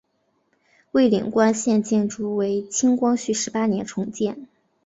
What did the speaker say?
蔚岭关现建筑为清光绪十八年重建。